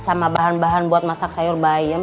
sama bahan bahan buat masak sayur bayam